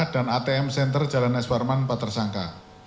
dan atm center jalan eswarman empat tersangka